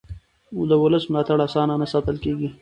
د ولس ملاتړ اسانه نه ساتل کېږي